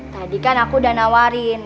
tadi kan aku udah nawarin